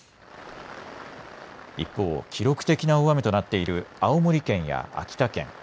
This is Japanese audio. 一方、記録的な大雨となっている青森県や秋田県。